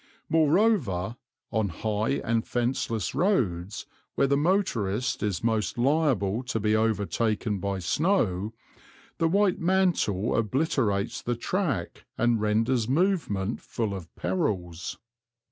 Moreover, on high and fenceless roads, where the motorist is most liable to be overtaken by snow, the white mantle obliterates the track and renders movement full of perils.